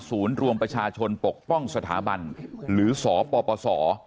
ศูนย์รวมประชาชนปกป้องสถาบันหรือศปศ